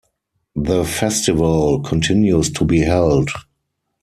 The festival continues to be held.